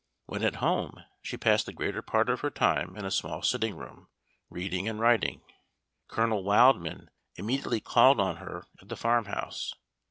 When at home, she passed the greater part of her time in a small sitting room, reading and writing. Colonel Wildman immediately called on her at the farmhouse.